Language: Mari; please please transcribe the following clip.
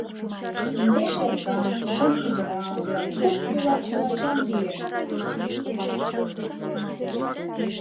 Индеш эрган, шым ӱдыран, латкуд тулар-тулачан лийышт!